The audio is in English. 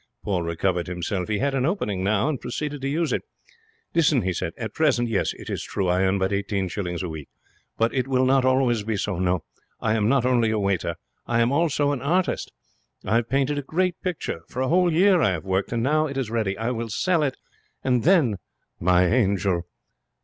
Why ' Paul recovered himself. He had an opening now, and proceeded to use it. 'Listen,' he said. 'At present, yes, it is true, I earn but eighteen shillings a week, but it will not always be so, no. I am not only a waiter. I am also an artist. I have painted a great picture. For a whole year I have worked, and now it is ready. I will sell it, and then, my angel